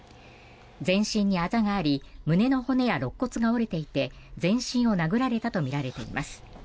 全身にあざがあり胸の骨や、ろっ骨が折れていて全身を殴られたとみられています。